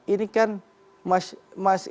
ini kan yang terjadi adalah